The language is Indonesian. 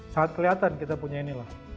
saat kelihatan kita punya inilah